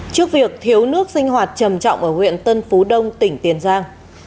trước việc thiếu nước sinh hoạt trầm trọng ở huyện tân phú đông tỉnh tiền giang